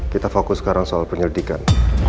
kita fokus sekarang soal penyelidikan